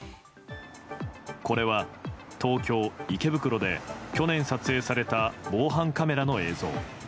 これは東京・池袋で去年、撮影された防犯カメラの映像。